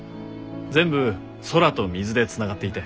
全部空と水でつながっていて。